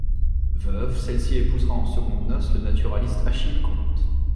Veuve, celle-ci épousera en secondes noces le naturaliste Achille Comte.